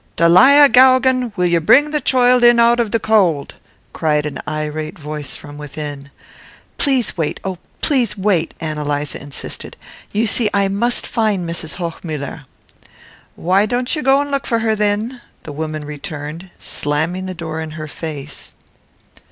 "Dalia Geoghegan, will ye bring the choild in out av the cowld?" cried an irate voice from within. "Please wait oh, please wait," Ann Eliza insisted. "You see I must find Mrs. Hochmuller." "Why don't ye go and look for her thin?" the woman returned, slamming the door in her face.